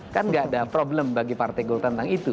kan nggak ada problem bagi partai golkar tentang itu